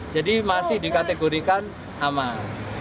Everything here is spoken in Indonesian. jadi masih dikategorikan aman